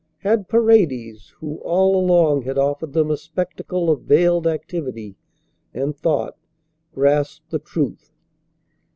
Had Paredes, who all along had offered them a spectacle of veiled activity and thought, grasped the truth?